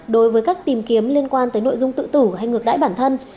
đối với các tìm kiếm liên quan tới nội dung tự tử hay ngược đãi bản thân